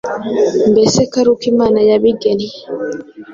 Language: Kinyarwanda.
mbese ko ari uko Imana yabigennye.